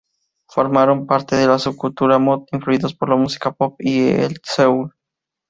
Formaron parte de la subcultura mod, influidos por la música pop y el soul.